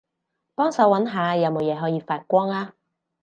幫手搵下有冇嘢可以發光吖